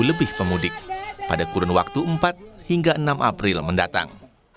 lebih pemudik pada kurun waktu empat hingga enam april mendatang